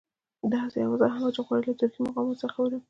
داسې اوازه هم وه چې غواړي له ترکي مقاماتو سره خبرې وکړي.